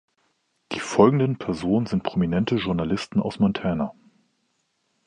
Die folgenden Personen sind prominente Journalisten aus Montana.